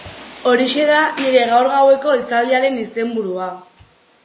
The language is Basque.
Horixe da nire gaur gaueko hitzaldiaren izenburua.